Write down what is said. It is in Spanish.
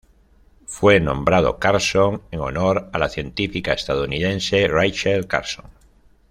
Fue nombrado Carson en honor a la científica estadounidense Rachel Carson.